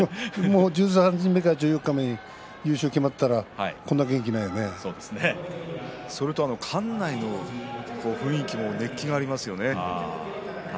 十三日目や十四日目に優勝が決まったらそれと館内の雰囲気も熱気がありますね。